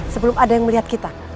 sebelum ada yang melihat kita